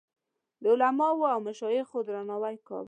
د علماوو او مشایخو درناوی کاوه.